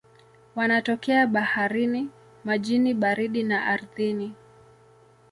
Wanatokea baharini, majini baridi na ardhini.